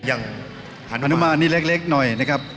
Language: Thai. อย่างหันมะอันนี้เล็กหน่อยนะครับ